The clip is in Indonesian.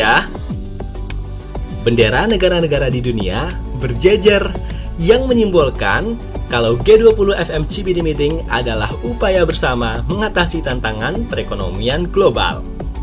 ya bendera negara negara di dunia berjejer yang menyimbolkan kalau g dua puluh fmcbd meeting adalah upaya bersama mengatasi tantangan perekonomian global